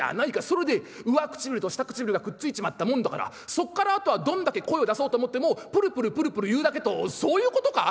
それで上唇と下唇がくっついちまったもんだからそっからあとはどんだけ声を出そうと思ってもプルプルプルプル言うだけとそういうことか？」。